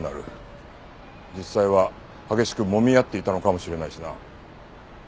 実際は激しくもみ合っていたのかもしれないしな。